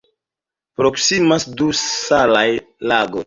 Proksimas du salaj lagoj.